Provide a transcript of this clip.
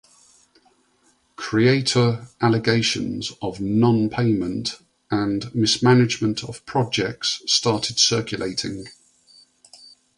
Creator allegations of non-payment and mismanagement of projects started circulating.